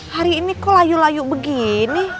hari ini kok layu layu begini